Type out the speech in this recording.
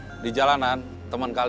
yang diserang bukan cuma terminal